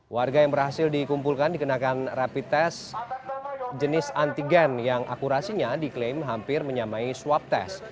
warga yang berhasil dikumpulkan dikenakan rapid test jenis antigen yang akurasinya diklaim hampir menyamai swab test